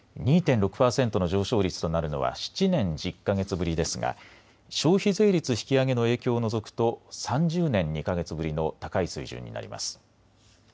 ２．６％の上昇率となるのは７年１０か月ぶりですが消費税率引き上げの影響を除くと３０年２か月ぶりの高い水準になります。